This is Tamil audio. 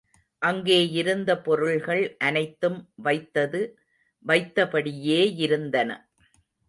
அங்கேயிருந்த பொருள்கள் அனைத்தும் வைத்தது வைத்தபடியேயிருந்தன.